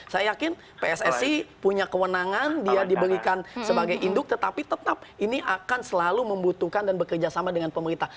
saya yakin pssi punya kewenangan dia diberikan sebagai induk tetapi tetap ini akan selalu membutuhkan dan bekerja sama dengan pemerintah